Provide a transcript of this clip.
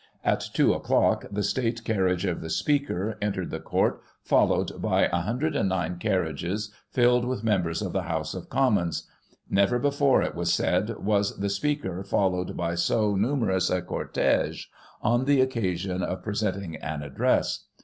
At two o'clock, the state carriage of the SpeaJcer entered the court, followed by 109 carriages filled with members of the House of Commons; never before, it was said, was the Speaker followed by so numerous a cortege, on the occasion of presenting an address.